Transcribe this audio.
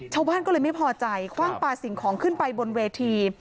ชาวบ้านก็เลยไม่พอใจคว่างปลาสิ่งของขึ้นไปบนเวที